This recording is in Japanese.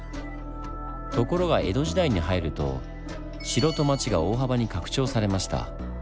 ところが江戸時代に入ると城と町が大幅に拡張されました。